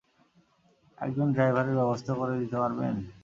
একজন ড্রাইভারের ব্যবস্থা করে দিতে পারবেন?